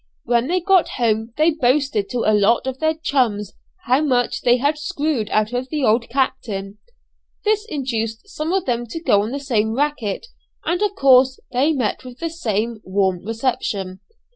When they got home they boasted to a lot of their 'chums' how much they had screwed out of the old captain. This induced some of them to go on the same 'racket,' and of course they met with the same warm reception.